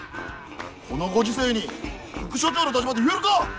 このご時世に副署長の立場で言えるか！